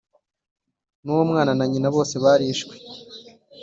ruwo mwana na nyina bose barishwe